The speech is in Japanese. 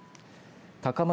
高松